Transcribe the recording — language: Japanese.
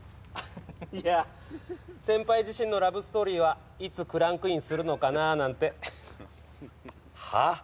いや先輩自身のラブストーリーはいつクランクインするのかなーなんてはっ？